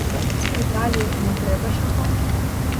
Спыталі, мо трэба чаго?